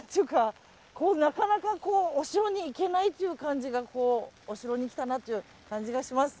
なかなかお城に行けないという感じがお城に来たなという感じがします。